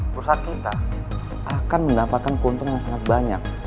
perusahaan kita akan mendapatkan keuntungan yang sangat banyak